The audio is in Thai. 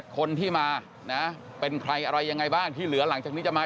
คนที่มานะเป็นใครอะไรยังไงบ้างที่เหลือหลังจากนี้จะมา